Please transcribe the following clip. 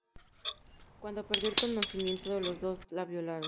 Cuando perdió el conocimiento, los dos la violaron.